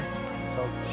そっか。